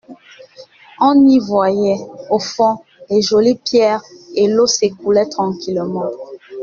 On y voyait, au fond, les jolies pierres et l’eau s’écoulait tranquillement.